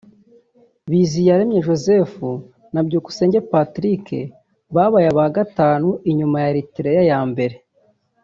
Biziyaremye Joseph na Byukusenge Patrick babaye aba gatanu inyuma ya Eritrea ya mbere